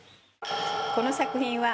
この作品は。